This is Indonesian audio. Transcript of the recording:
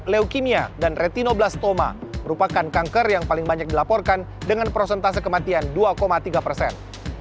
leukemia dan retinoblastoma merupakan kanker yang paling banyak dilaporkan dengan prosentase kematian dua tiga persen